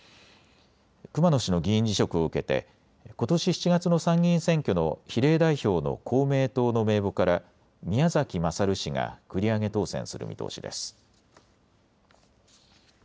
熊野氏の議員辞職を受けてことし７月の参議院選挙の比例代表の公明党の名簿から宮崎勝氏が繰り上げ当選する見通しです。